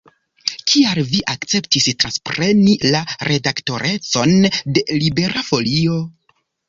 Kial vi akceptis transpreni la redaktorecon de Libera Folio?